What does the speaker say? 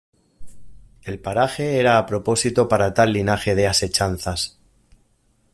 el paraje era a propósito para tal linaje de asechanzas: